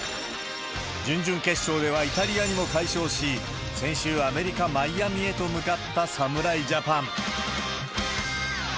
準々決勝ではイタリアにも快勝し、先週、アメリカ・マイアミへと向かった侍ジャパン。